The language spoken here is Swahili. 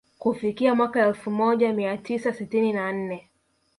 Kufikia mwaka elfu moja mia tisa sitini na nne